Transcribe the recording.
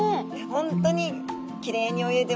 本当にきれいに泳いでますね。